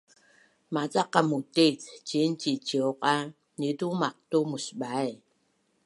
maca qamutic ciin ciciuq a nitumaqtu musbai